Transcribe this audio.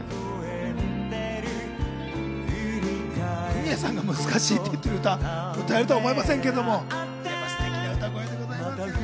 フミヤさんが難しいって言ってる歌、歌えると思いませんけど、すてきな歌声でございます。